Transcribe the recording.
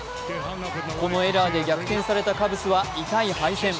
このエラーで逆転されたカブスは痛い敗戦。